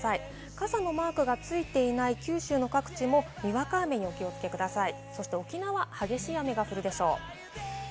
傘のマークがついていない九州の各地も、にわか雨にお気をつけください。